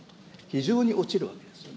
非常に落ちるわけです。